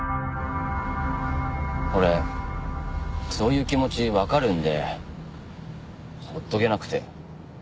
俺そういう気持ちわかるんで放っとけなくて。